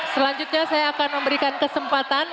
selanjutnya saya akan memberikan kesempatan